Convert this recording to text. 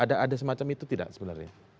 ada semacam itu tidak sebenarnya